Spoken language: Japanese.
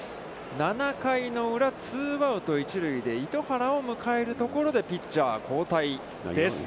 ７回の裏、ツーアウト、一塁で、糸原を迎えるところで、ピッチャー交代です。